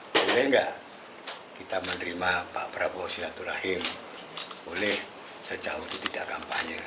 boleh nggak kita menerima pak prabowo silaturahim boleh sejauh itu tidak kampanye